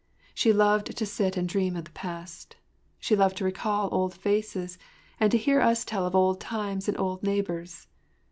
She loved to sit and dream of the past. She loved to recall old faces, and to hear us tell of old times and old neighbors.